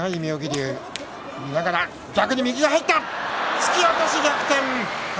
突き落とし、逆転宝